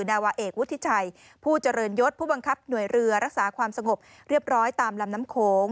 นาวาเอกวุฒิชัยผู้เจริญยศผู้บังคับหน่วยเรือรักษาความสงบเรียบร้อยตามลำน้ำโขง